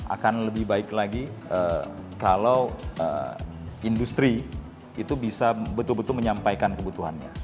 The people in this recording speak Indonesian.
akan lebih baik lagi kalau industri itu bisa betul betul menyampaikan kebutuhannya